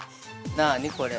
◆何、これ？